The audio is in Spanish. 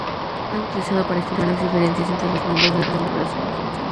Se ha utilizado para estimar las diferencias entre los miembros de dos poblaciones.